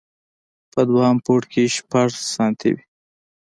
په دوهم پوړ کې شپږ ستنې وې.